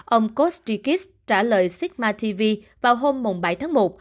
ông kostikis trả lời sigma tv vào hôm bảy tháng một